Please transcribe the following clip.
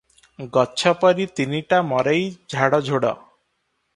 ଗଛ ପରି ତିନିଟା ମରେଇ ଝାଡ଼ଝୁଡ଼ ।